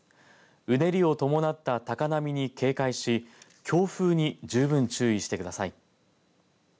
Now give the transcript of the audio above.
うねりを伴った高波に警戒し強風に十分注意してください。